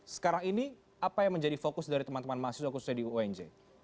sekarang ini apa yang menjadi fokus dari teman teman mahasiswa khususnya di unj